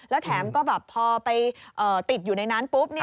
แล้วแถมก็แบบพอไปติดอยู่ในนั้นปุ๊บ